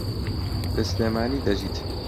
لە سلێمانی دەژیت.